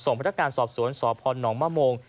ส่งพันธการสอบสวนสอบพ่อนหนองมามง